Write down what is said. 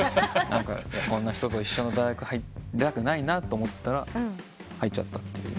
何かこんな人と一緒の大学入りたくないなと思ったら入っちゃったっていう。